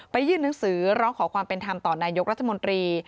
ยื่นหนังสือร้องขอความเป็นธรรมต่อนายกรัฐมนตรี